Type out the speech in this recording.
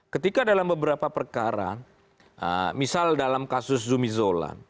ketika dalam beberapa perkara misal dalam kasus zumi zola